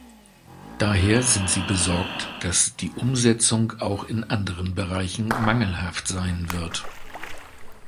Daher sind sie besorgt, dass die Umsetzung auch in anderen Bereichen mangelhaft sein wird.